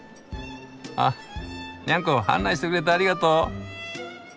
あっニャンコ案内してくれてありがとう。